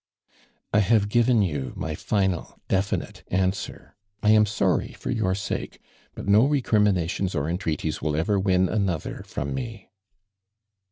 " I havo given you my final definite an swer. I am soiry for your sake, but no re criminations or entreaties will ever win another from me.